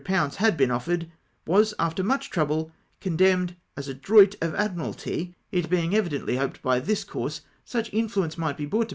had been offered, was after much trouble condemned as a droit of Admiralty! it being evidently hoped that by tliis course such influence might be brought to.